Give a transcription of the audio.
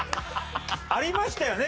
ありましたよね？